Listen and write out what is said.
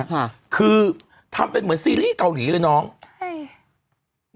ค่ะคือทำเป็นเหมือนซีรีส์เกาหลีเลยน้องใช่